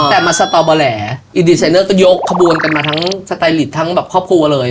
แต่มาสตอเบอร์แหลอินดีไซเนอร์ก็ยกขบวนกันมาทั้งสไตลิตทั้งแบบครอบครัวเลย